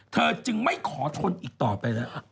เธอจึงไม่ขอทนอีกต่อไปแล้ว